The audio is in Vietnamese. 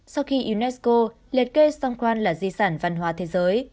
sau khi unesco liệt kê songkran là di sản văn hóa thế giới